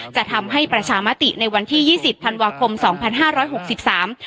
จะทำให้ประชามติในวันที่ยี่สิบธันวาคมสองพันห้าร้อยหกสิบสาม